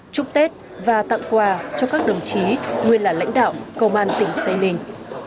chúc tết và tặng quà cho các đồng chí nguyên là lãnh đạo công an tỉnh tây ninh